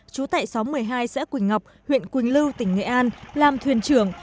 chú tệ xóm một mươi hai xã quỳnh ngọc huyện quỳnh lưu tỉnh nghệ an làm thuyền trưởng